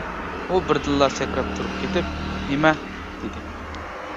ئۇ بىردىنلا سەكرەپ تۇرۇپ كېتىپ:-نېمە؟ -دېدى.